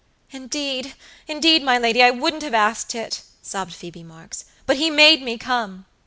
"Indeed, indeed, my lady, I wouldn't have asked it," sobbed Phoebe Marks, "but he made me come."